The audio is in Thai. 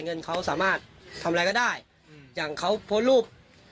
เงินเขาสามารถทำอะไรก็ได้อืมอย่างเขาโพสต์รูป